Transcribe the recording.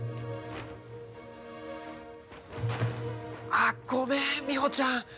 あっごめんみほちゃん。